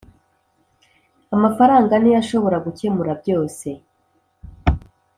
Amafaranga niyo ashobora gukemura byose\